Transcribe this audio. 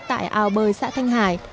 tại ao bơi xã thanh hải